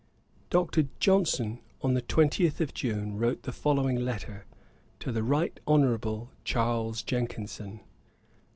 Dr. Johnson, on the 20th of June, wrote the following letter: 'To THE RIGHT HONOURABLE CHARLES JENKINSON.